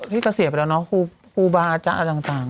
ที่เกษียณไปแล้วเนอะฮูบาจ๊ะอันต่าง